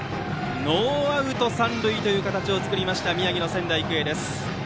ノーアウト三塁という形を作った宮城の仙台育英です。